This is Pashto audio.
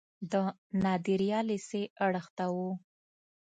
د نادریه لیسې اړخ ته و.